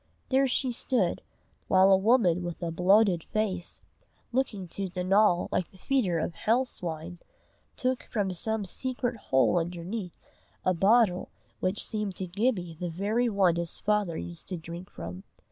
There she stood, while a woman with a bloated face, looking to Donal like a feeder of hell swine, took from some secret hole underneath, a bottle which seemed to Gibbie the very one his father used to drink from.